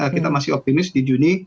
kita masih optimis di juni